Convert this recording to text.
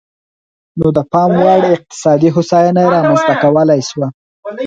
نو د پاموړ اقتصادي هوساینه یې رامنځته کولای شوه.